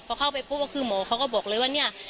พอเข้าไปปุ๊บก็คือหมอเขาก็บอกเลยว่าเนี่ย